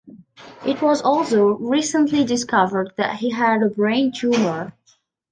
It was also recently discovered that he had a brain tumor.